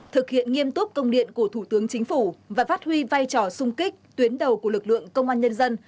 thực hiện nghiêm túc công điện của thủ tướng chính phủ và phát huy vai trò sung kích tuyến đầu của lực lượng công an nhân dân